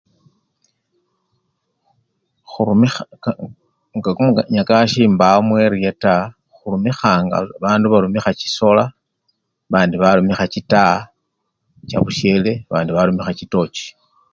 Khu! khurumikha! ka! nga kumunyakasi mbawo mu-eriya taa, khurumikha, bandu barumikha chisola, babandi barumikha chitaa chabusyele, babandi barumikha chitochi.